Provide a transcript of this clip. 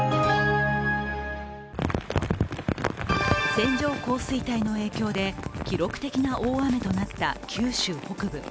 線状降水帯の影響で、記録的な大雨となった九州北部。